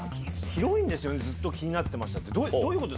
広いんですよね「ずっと気になっていました」。